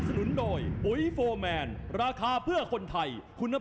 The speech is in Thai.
ประโยชน์ทอตอร์จานแสนชัยกับยานิลลาลีนี่ครับ